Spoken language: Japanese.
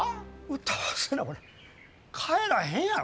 歌わせなこれ帰らへんやろ。